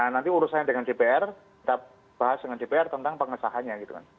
nanti urusannya dengan dpr kita bahas dengan dpr tentang pengesahannya gitu kan